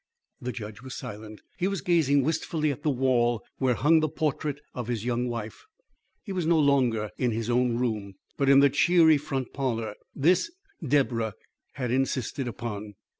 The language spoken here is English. The judge was silent. He was gazing wistfully at the wall where hung the portrait of his young wife. He was no longer in his own room, but in the cheery front parlour. This Deborah had insisted upon.